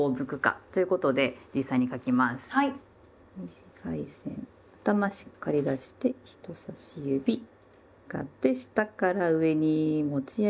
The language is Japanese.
短い線頭しっかり出して人さし指上がって下から上に持ち上げます。